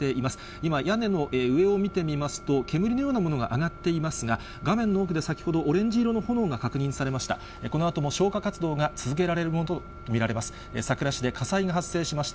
今、屋根の上を見てみますと、煙のようなものが上がっていますが、画面の奥で先ほど、オレンジ色の炎が確認されました。